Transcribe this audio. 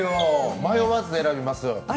迷わず選びます。